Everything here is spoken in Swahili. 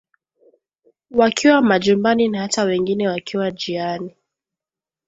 wakiwa majumbani na hata wengine wakiwa jiani